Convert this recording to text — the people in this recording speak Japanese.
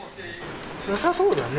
よさそうだね。